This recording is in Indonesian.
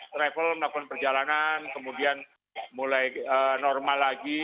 travel melakukan perjalanan kemudian mulai normal lagi